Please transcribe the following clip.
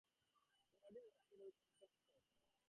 The audience responded with applause and consent.